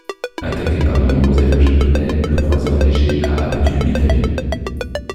Attaqué par de nombreux avions japonais, le croiseur léger a abattu huit avions.